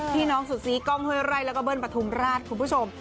พี่น้องสุศีกล้องเฮ้ยไร่แล้วก็เบิ้ลประทุมราชคุณผู้ชม